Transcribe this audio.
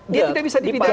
dia tidak bisa dipidana